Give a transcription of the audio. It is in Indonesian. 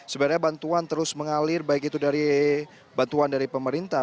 sebenarnya bantuan terus mengalir baik itu dari bantuan dari pemerintah